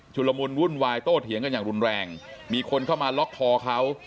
ละมุนวุ่นวายโตเถียงกันอย่างรุนแรงมีคนเข้ามาล็อกคอเขา